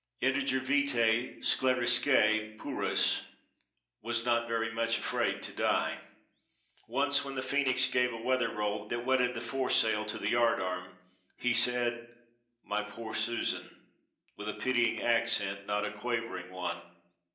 Integer vitae scelerisque purus was not very much afraid to die. Once when the Phoenix gave a weather roll that wetted the foresail to the yard arm, he said, "My poor Susan!" with a pitying accent, not a quavering one.